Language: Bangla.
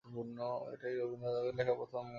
এটিই রবীন্দ্রনাথ ঠাকুরের লেখা প্রথম গান।